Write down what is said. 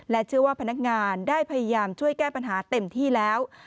เชื่อว่าพนักงานได้พยายามช่วยแก้ปัญหาเต็มที่แล้ว